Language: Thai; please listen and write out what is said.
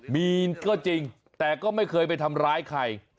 มีนก็จริงแต่ก็ไม่เคยไปทำร้ายใคร